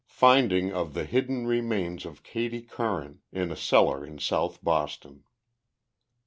FINDING OF THE HIDDEN REMAINS OF KATIE CURRAN IN A CELLAR IN SOUTH BOSTON.